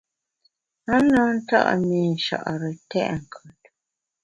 A na nta’ mi Nchare tèt nkùt.